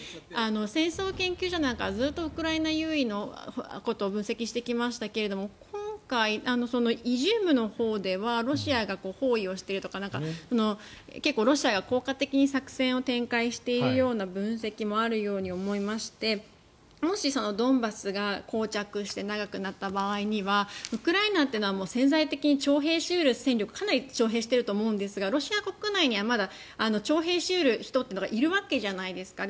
戦争研究者なんかはずっとウクライナ優位のことを分析してきましたけど今回、イジュームのほうではロシアが包囲をしているとか結構ロシアが効果的に作戦を展開しているような分析もあるように思いましてもし、ドンバスがこう着して長くなった場合にはウクライナってのは潜在的に徴兵し得る戦力をかなり徴兵していると思うんですがロシア国内にはまだ徴兵し得る人というのがいるわけじゃないですか。